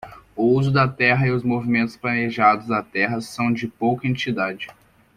O uso da terra e os movimentos planejados da terra são de pouca entidade.